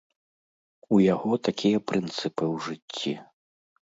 У яго такія прынцыпы ў жыцці.